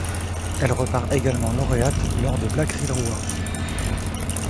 Elle repart également lauréate lors des Black Reel Awards.